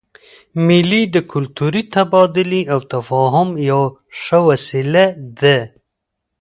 مېلې د کلتوري تبادلې او تفاهم یوه ښه وسیله ده.